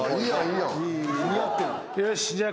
よしじゃあ。